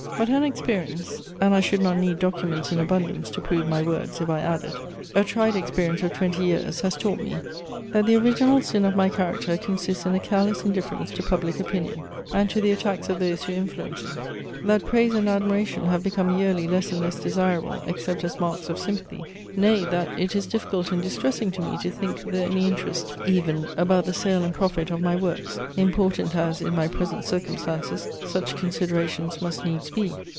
But an experience (and I should not need documents in abundance to prove my words, if I added) a tried experience of twenty years, has taught me, that the original sin of my character consists in a careless indifference to public opinion, and to the attacks of those who influence it; that praise and admiration have become yearly less and less desirable, except as marks of sympathy; nay that it is difficult and distressing to me to think with any interest even about the sale and profit of my works, important as, in my present circumstances, such considerations must needs be.